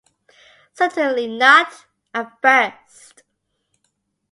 Certainly not — at first.